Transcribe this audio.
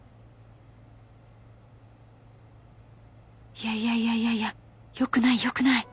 いやいやいやいやいやよくないよくない